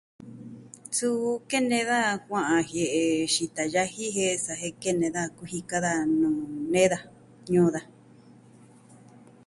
Suu kene da kua'an jie'e xita yaji jen sa jen kene daja kujika daja nuu nee daja ñuu daja.